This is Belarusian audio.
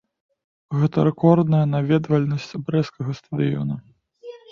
Гэта рэкордная наведвальнасць брэсцкага стадыёна.